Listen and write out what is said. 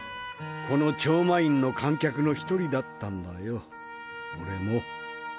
この超満員の観客の１人だったんだよ俺も。